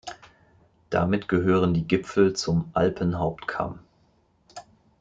Damit gehören die Gipfel zum Alpenhauptkamm.